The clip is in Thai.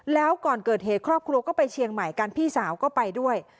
แล้วก่อนเกิดเหตุครอบครัวก็ไปเชียงใหม่กันพี่สาวก็ไปด้วย